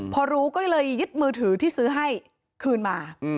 พอรู้ก็เลยยึดมือถือที่ซื้อให้คืนมา